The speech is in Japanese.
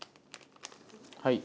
はい。